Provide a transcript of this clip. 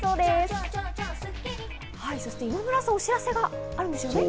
今村さん、お知らせがあるんですね。